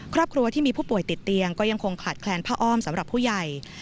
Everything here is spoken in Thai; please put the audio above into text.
ครอบครัวที่มีผู้ป่วยติดเตียงก็ยังคงขาดแคลนผ้าอ้อมสำหรับผู้ใหญ่